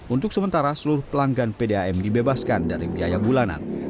untuk sementara seluruh pelanggan pdam dibebaskan dari biaya bulanan